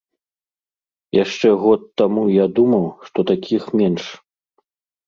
Яшчэ год таму я думаў, што такіх менш.